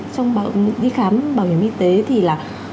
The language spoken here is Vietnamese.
trong bảo hiểm y tế thì là